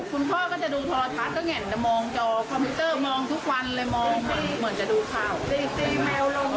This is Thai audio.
คุณพ่อก็จะดูธราชาด้วยงั้นมองจอมองทุกวันเลยมองเหมือนจะดูข้าว